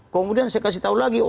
kemudian saya kasih tahu lagi